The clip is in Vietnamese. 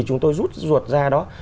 chúng tôi rút ruột ra đó